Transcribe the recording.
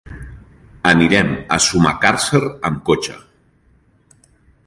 Anirem a Sumacàrcer amb cotxe.